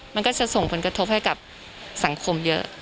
มันก็จะส่งผลกระทบให้กับสังคมเยอะ